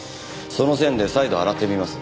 その線で再度洗ってみます。